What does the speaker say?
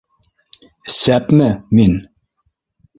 - Сәпме мин?!